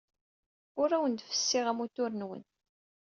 Ur awen-d-fessiɣ amutur-nwen.